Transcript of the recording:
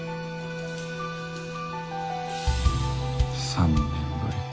３年ぶりか。